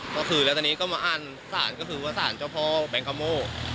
ก็คือตอนนี้ก็มาอ่านศาลก็คือศาลเสาพอแบงคาโม